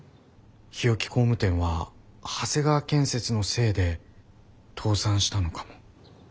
日置工務店は長谷川建設のせいで倒産したのかも。